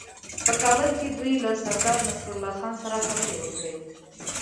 په کابل کې دوی له سردارنصرالله خان سره خبرې وکړې.